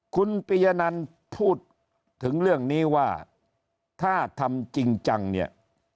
คุณปียนันพูดถึงเรื่องนี้ว่าถ้าทำจริงจังเนี่ย